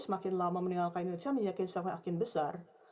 semakin lama meninggalkan indonesia menjadi sesama yang akan besar